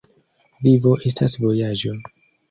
Vivo estas vojaĝo.